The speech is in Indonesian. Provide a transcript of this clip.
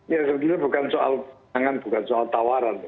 ya sebenarnya bukan soal pinangan bukan soal tawaran